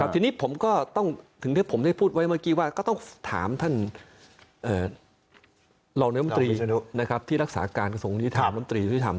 ทีนี้ผมก็ต้องถึงที่ผมได้พูดไว้เมื่อกี้ว่าก็ต้องถามท่านรองน้ำตรีที่รักษาการกระทรวงยุทธรรมน้ำตรียุทธธรรม